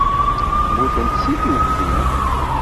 Mmutent seg tuggdi.